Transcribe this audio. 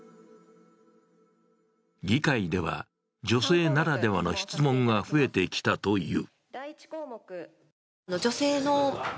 議会では、女性ならではの質問が増えてきたという。